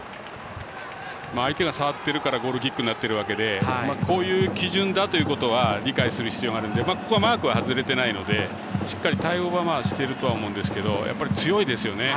相手が触っているからゴールキックになっているわけでこういう基準だということは理解することがあるのでマーク、外れてないのでしっかり対応はしていると思いますが、強いですよね。